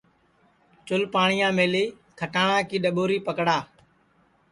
چُل پاٹؔیا میلی کھٹاٹؔا کی ڈؔٻوری پکڑا